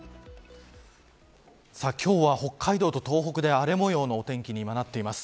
今日は北海道と東北で荒れ模様のお天気に今なっています。